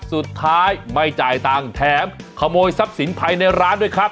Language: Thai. สุดท้ายไม่จ่ายตังค์แถมขโมยทรัพย์สินภายในร้านด้วยครับ